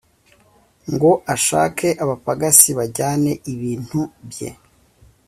Ngo ashake abapagasi, bajyane ibintu bye;